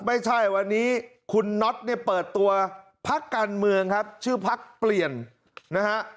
ไม่ใช่วันนี้คุณน็อตเนี่ยเปิดตัวพักการเมืองครับชื่อพักเปลี่ยนนะฮะ